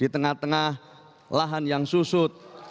di tengah tengah lahan yang susut